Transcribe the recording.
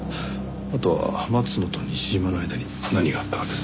あとは松野と西島の間に何があったかですね。